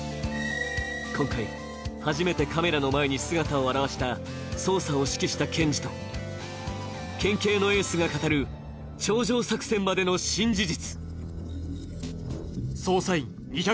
今回、初めてカメラの前に姿を現した捜査を指揮した検事と県警のエースが語る頂上作戦までの新事実。